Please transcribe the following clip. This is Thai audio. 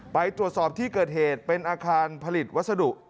ไปตรวจสอบที่เกิดเหตุเป็นอาคารผลิตวัสดุ